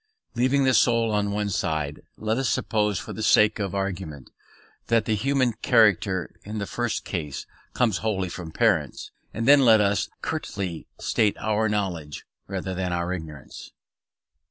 Leaving the soul on one side, let us suppose for the sake of argument that the human character in the first case comes wholly from parents; and then let us curtly state our knowledge rather than our ignorance.